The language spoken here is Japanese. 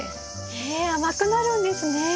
へえ甘くなるんですね。